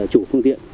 chủ phương tiện